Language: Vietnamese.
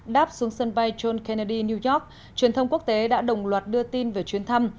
đáp xuống sân bay john kennedy new york truyền thông quốc tế đã đồng loạt đưa tin về chuyến thăm